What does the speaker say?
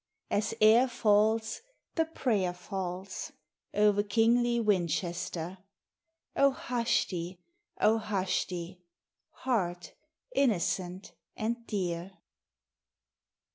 As air falls, the prayer falls O'er kingly Winchester: O hush thee, O hush thee! heart innocent and dear.